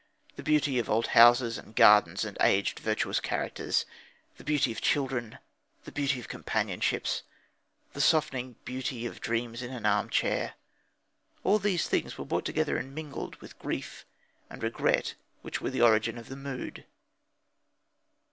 The beauty of old houses and gardens and aged virtuous characters, the beauty of children, the beauty of companionships, the softening beauty of dreams in an arm chair all these are brought together and mingled with the grief and regret which were the origin of the mood.